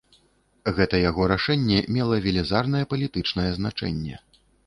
Гэта яго рашэнне мела велізарнае палітычнае значэнне.